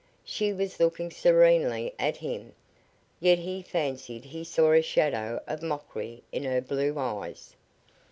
She was looking serenely at him, yet he fancied he saw a shadow of mockery in her blue eyes.